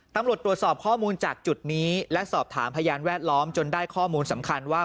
ตำรวจตรวจสอบข้อมูลจากจุดนี้และสอบถามพยานแวดล้อมจนได้ข้อมูลสำคัญว่า